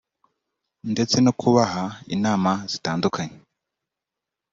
ndetse no kubaha inama zitandukanye